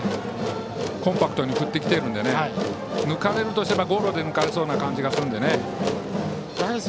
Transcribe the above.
コンパクトに振ってくるので抜かれるとするならゴロで抜かれそうな感じがするので。